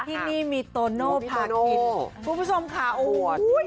ที่นี้มีโตโน้พาทิตย์